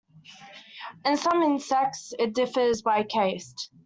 In some insects it differs by caste.